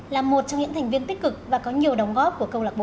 là một trong những thành viên tích cực và có nhiều đóng góp của câu lạc bộ